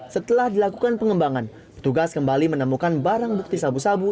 setelah dilakukan pengembangan petugas kembali menemukan barang bukti sabu sabu